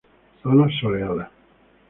Zonas soleadas.